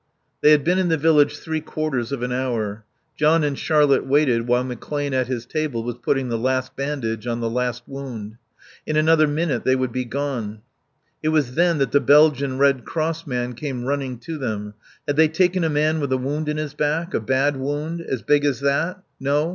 They had been in the village three quarters of an hour. John and Charlotte waited while McClane at his table was putting the last bandage on the last wound. In another minute they would be gone. It was then that the Belgian Red Cross man came running to them. Had they taken a man with a wound in his back? A bad wound? As big as that? No?